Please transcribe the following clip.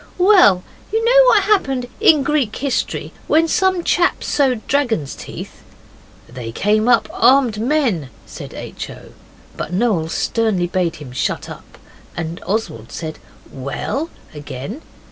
'Well, you know what happened in Greek history when some chap sowed dragon's teeth?' 'They came up armed men,' said H. O., but Noel sternly bade him shut up, and Oswald said 'Well,' again.